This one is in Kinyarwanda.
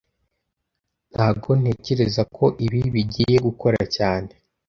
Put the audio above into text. Ntago ntekereza ko ibi bigiye gukora cyane